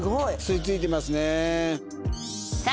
吸い付いてますね。